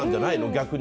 逆に。